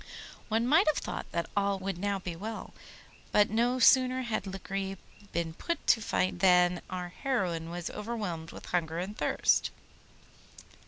One might have thought that all would now be well, but no sooner had Lagree been put to fight than our heroine was overwhelmed with hunger and thirst.